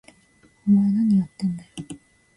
お前、なにやってんだよ！？